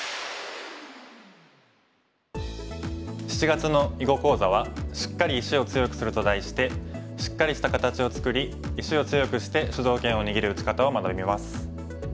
７月の囲碁講座は「シッカリ石を強くする」と題してシッカリした形を作り石を強くして主導権を握る打ち方を学びます。